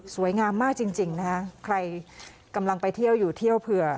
สวยงามมากจริงนะฮะใครกำลังไปเที่ยวอยู่เที่ยวเผื่อ